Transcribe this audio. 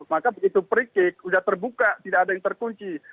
maka begitu perik sudah terbuka tidak ada yang terkunci